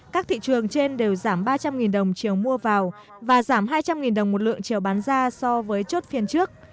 các thị trường trên đều giảm ba trăm linh đồng chiều mua vào và giảm hai trăm linh đồng một lượng chiều bán ra so với chốt phiên trước